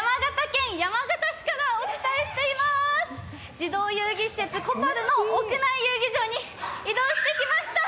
児童遊戯施設コパルの屋内施設に移動してきました。